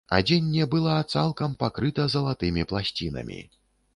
Адзенне была цалкам пакрыта залатымі пласцінамі.